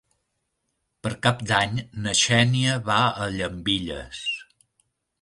Per Cap d'Any na Xènia va a Llambilles.